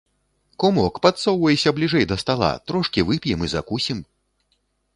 Кумок, падсоўвайся бліжэй да стала, трошкі вып'ем і закусім.